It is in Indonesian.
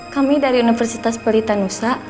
kami dari universitas pelita nusa